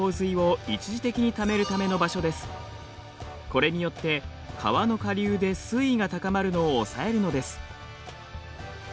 これによって川の下流で水位が高まるのを抑えるのです。